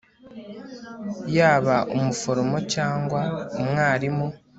yaba umuforomo cyangwa umwarimu